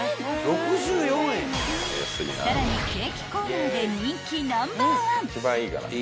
［さらにケーキコーナーで人気ナンバーワン］